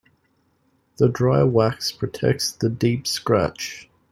The dry wax protects the deep scratch.